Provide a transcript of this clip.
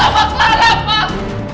jajum kamu bapak